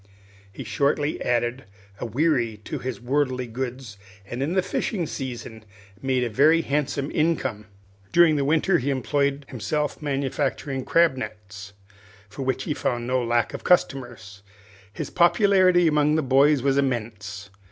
He shortly added a wherry to his worldly goods, and in the fishing season made a very handsome income. During the winter he employed himself manufacturing crab nets, for which he found no lack of customers. His popularity among the boys was immense.